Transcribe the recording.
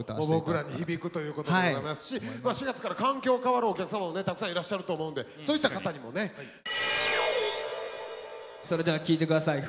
僕らに響くということでございますし４月から環境変わるお客様もたくさんいらっしゃると思うんでそうした方にもね。それでは聴いて下さい。